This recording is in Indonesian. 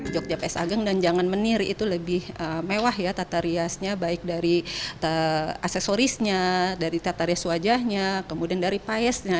jogjab es ageng dan jangan menir itu lebih mewah ya tata riasnya baik dari aksesorisnya dari tata rias wajahnya kemudian dari paesnya